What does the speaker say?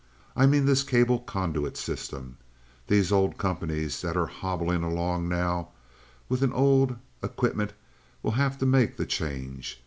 I mean this cable conduit system. These old companies that are hobbling along now with an old equipment will have to make the change.